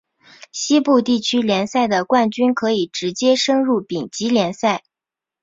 西部地区联赛的冠军可以直接升入丙级联赛。